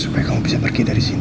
supaya kamu bisa pergi dari sini